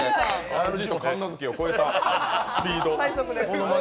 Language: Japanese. ＲＧと神奈月を超えたスピード。